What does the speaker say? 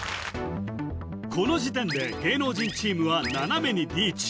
この時点で芸能人チームは斜めにリーチ